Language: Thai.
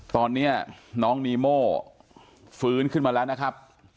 ตอนนี้น้องนีโม่ฟื้นขึ้นมาแล้วนะครับ